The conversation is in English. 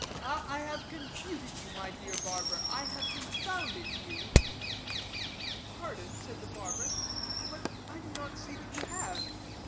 I have confuted you, my dear barber; I have confounded you." "Pardon," said the barber, "but I do not see that you have.